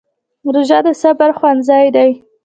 روژه د صبر ښوونځی دی.